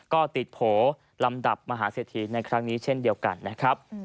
ก็ติดโผล่ลำดับมหาเศรษฐีในครั้งนี้เช่นเดียวกันนะครับ